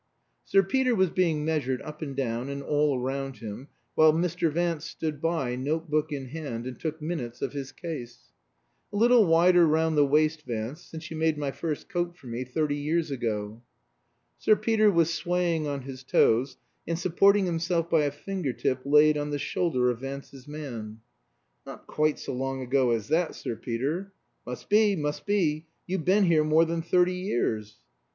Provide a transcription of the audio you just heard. Sir Peter was being measured up and down and all round him, while Mr. Vance stood by, note book in hand, and took minutes of his case. "A little wider round the waist, Vance, since you made my first coat for me thirty years ago." Sir Peter was swaying on his toes, and supporting himself by a finger tip laid on the shoulder of Vance's man. "Not quite so long ago as that, Sir Peter." "Must be, must be; you've been here more than thirty years."